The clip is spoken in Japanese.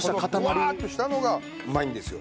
このふわっとしたのがうまいんですよ。